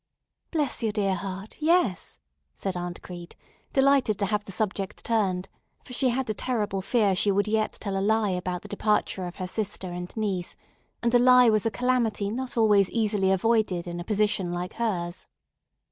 "Bless your dear heart, yes," said Aunt Crete, delighted to have the subject turned; for she had a terrible fear she would yet tell a lie about the departure of her sister and niece, and a lie was a calamity not always easily avoided in a position like hers.